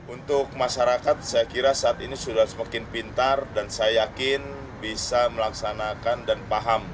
untuk masyarakat saya kira saat ini sudah semakin pintar dan saya yakin bisa melaksanakan dan paham